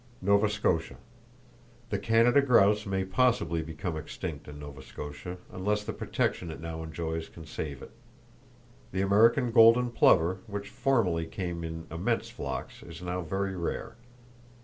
Nova Scotia: The Canada grouse may possibly become extinct in Nova Scotia, unless the protection it now enjoys can save it. The American golden plover, which formerly came in immense flocks, is now very rare.